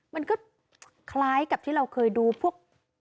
มันก็คล้ายกับที่เราเคยดูพวก